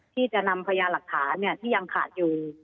ที่จะนำพยาหลักฐานที่ยังขาดอยู่